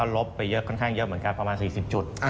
ลบไปขนาดเยอะก็ประมาณ๔๐จุด